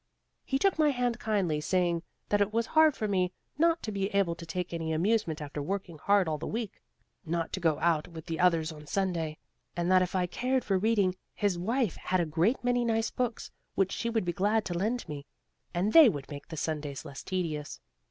He took my hand kindly, saying that it was hard for me not to be able to take any amusement after working hard all the week; not to go out with the others on Sunday; and that if I cared for reading, his wife had a great many nice books which she would be glad to lend me, and they would make the Sundays less tedious.